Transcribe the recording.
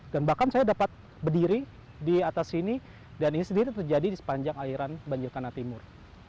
dan bahkan saya dapat berdiri di atas sini dan ini sendiri terjadi di sepanjang airan banjir kanal timur